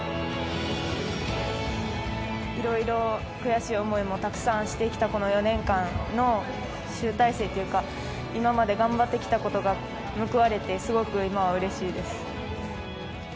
いろいろ悔しい思いもたくさんしてきたこの４年間の集大成っていうか、今まで頑張ってきたことが報われて、すごく今はうれしいです。